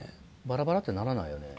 バラバラってならないよね。